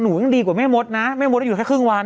หนูอย่างดีกว่าแม่มสนะแม่มสได้หยุดแค่ครึ่งวัน